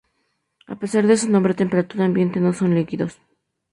A pesar de su nombre, a temperatura ambiente no son líquidos.